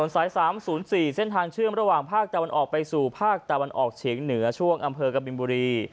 สาย๓๐๔เส้นทางเชื่อมระหว่างภาคตะวันออกไปสู่ภาคตะวันออกเฉียงเหนือช่วงอำเภอกบินบุรี